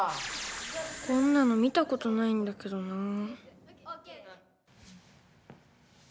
こんなの見たことないんだけどなぁ。